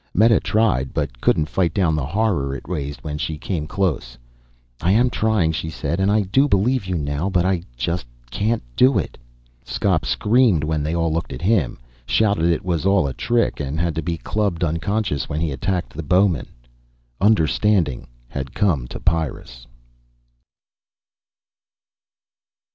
Meta tried but couldn't fight down the horror it raised when she came close. "I am trying," she said, "and I do believe you now but I just can't do it." Skop screamed when they all looked at him, shouted it was all a trick, and had to be clubbed unconscious when he attacked the bowmen. Understanding had come to Pyrrus.